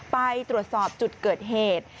ไปตรวจสอบจุดเกิดเหตุ